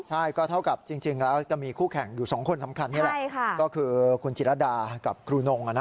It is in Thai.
ใช่ก็เท่ากับจริงแล้วก็มีคู่แข่งอยู่๒คนสำคัญนี่แหละก็คือคุณจิรดากับครูนง